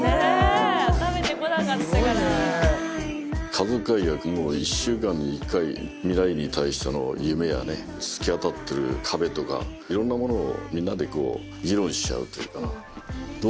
家族会議は一週間に１回未来に対しての夢やね突き当たってる壁とかいろんなものをみんなでこう議論し合うというか。